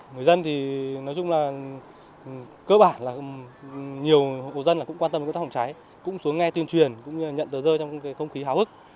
người dân thì nói chung là cơ bản là nhiều hộ dân cũng quan tâm công tác phòng cháy cũng xuống nghe tuyên truyền cũng như nhận tờ rơi trong không khí hào hức